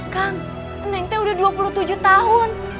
kang nengte udah dua puluh tujuh tahun